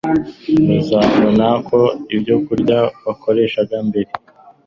bazabona ko ibyokurya bakoreshaga mbere